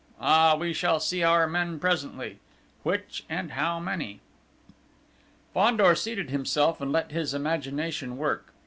Ah, we shall see our men presently! Which, and how many?" Fandor seated himself and let his imagination work.